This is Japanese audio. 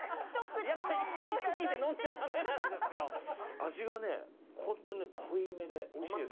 味がね、ホントに濃いめでおいしいです。